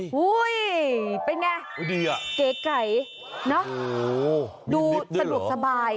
เฮ้ยเป็นไงเก๋ไก่ดูสะดวกสบาย